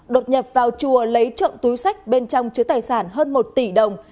đột nhập vào chùa lấy trộm túi sách bên trong chứa tài sản hơn một tỷ đồng